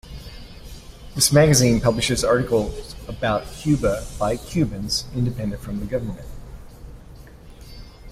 This magazine publishes articles about Cuba by Cubans independent from the government.